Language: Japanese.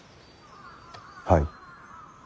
はい？